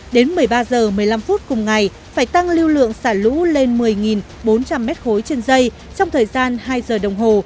đến một mươi ba h một mươi năm phút cùng ngày phải tăng lưu lượng xả lũ lên một mươi bốn trăm linh m ba trên dây trong thời gian hai giờ đồng hồ